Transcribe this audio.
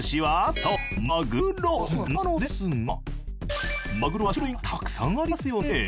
そうマグロ。なのですがマグロは種類がたくさんありますよね。